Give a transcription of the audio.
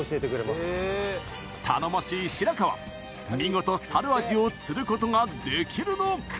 頼もしい白川見事猿アジを釣ることができるのか？